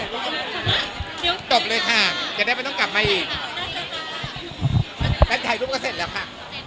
จบเลยค่ะจะได้ไม่ต้องกลับมาอีกแฟนถ่ายรูปก็เสร็จแล้วค่ะ